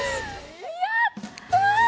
やったー！